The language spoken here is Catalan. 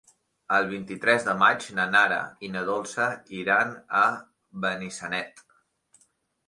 El vint-i-tres de maig na Nara i na Dolça iran a Benissanet.